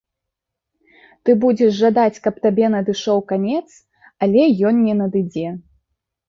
Ты будзеш жадаць, каб табе надышоў канец, але ён не надыдзе.